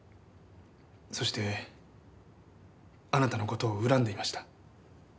そしてあなたの事を恨んでいました。